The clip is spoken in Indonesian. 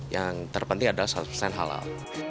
yang terpenting adalah satu persen halal